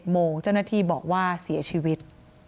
โมงเจ้าหน้าที่บอกว่าเสียชีวิต